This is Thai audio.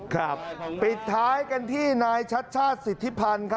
ครับปิดท้ายกันที่นายชัดชาติสิทธิพันธ์ครับ